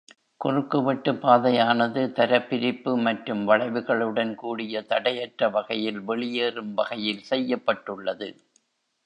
குறுக்குவெட்டு பாதையானது தர பிரிப்பு மற்றும் வளைவுகளுடன் கூடிய தடையற்ற வகையில் வெளியேறும் வகையில் செய்யப்பட்டுள்ளது.